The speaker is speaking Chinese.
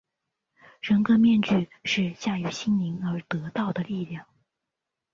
人格面具是驾驭心灵而得到的力量。